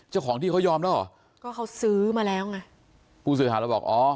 เจ้าของที่เขายอมแล้วเหรอก็เขาซื้อมาแล้วไงผู้สื่อข่าวเราบอกอ๋อ